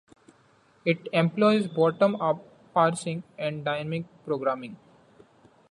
It employs bottom-up parsing and dynamic programming.